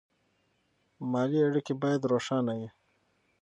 مالي اړیکې باید روښانه وي.